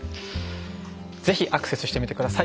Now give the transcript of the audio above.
ぜひアクセスしてみてください。